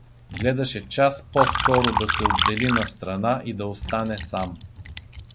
Гледаше час по-скоро да се отдели настрана и да остане сам.